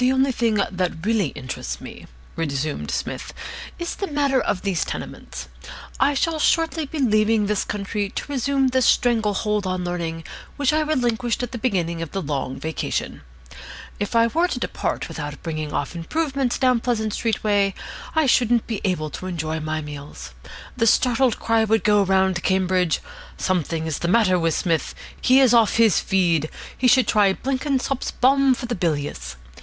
"The only thing that really interests me," resumed Psmith, "is the matter of these tenements. I shall shortly be leaving this country to resume the strangle hold on Learning which I relinquished at the beginning of the Long Vacation. If I were to depart without bringing off improvements down Pleasant Street way, I shouldn't be able to enjoy my meals. The startled cry would go round Cambridge: 'Something is the matter with Psmith. He is off his feed. He should try Blenkinsop's Balm for the Bilious.'